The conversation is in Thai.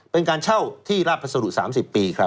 เป็นการเช่าที่ราบพัสดุ๓๐ปีครับ